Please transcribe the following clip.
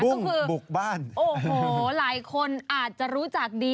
ก็คือบุกบ้านโอ้โหหลายคนอาจจะรู้จักดี